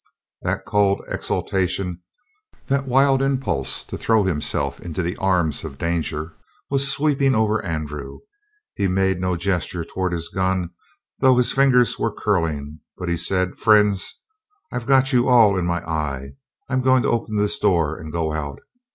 That cold exultation, that wild impulse to throw himself into the arms of danger, was sweeping over Andrew. He made no gesture toward his gun, though his fingers were curling, but he said: "Friends, I've got you all in my eye. I'm going to open this door and go out.